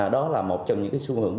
đó là một trong những cái xu hướng